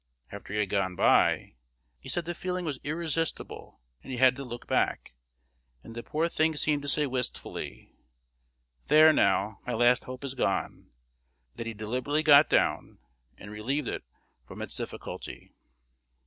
After he had gone by, he said the feeling was irresistible; and he had to look back, and the poor thing seemed to say wistfully, "There, now, my last hope is gone;" that he deliberately got down, and relieved it from its difficulty.